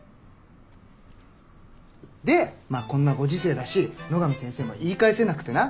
でまっこんなご時世だし野上先生も言い返せなくてな。